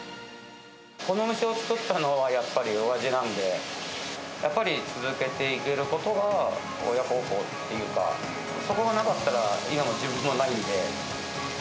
このお店を作ったのは、やっぱりおやじなんで、やっぱり続けていけることが親孝行っていうか、そこがなかったら今の自分はないんで。